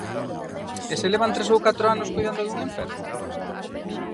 E se levan tres ou catro anos coidando dun enfermo?